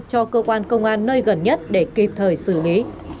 cho cơ quan công an nơi gần nhất để kịp thời xử lý